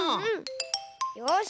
よし！